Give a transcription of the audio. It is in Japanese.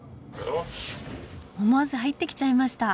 思わず入ってきちゃいました。